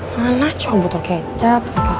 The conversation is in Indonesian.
mana cowok butuh kecap